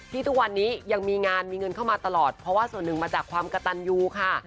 ทุกวันนี้ยังมีงานมีเงินเข้ามาตลอดเพราะว่าส่วนหนึ่งมาจากความกระตันยูค่ะ